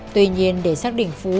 tuy nhiên để xác định phú